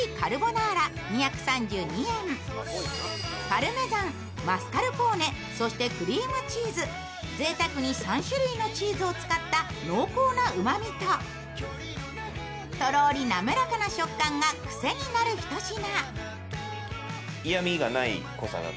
パルメザン、マスカルポーネ、そしてクリームチーズ、ぜいたくに３種類のチーズを使った濃厚なうまみととろーり滑らかな食感が癖になるひと品。